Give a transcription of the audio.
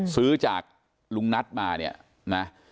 ซื้อจากลุงนัทมาเนี่ยนะ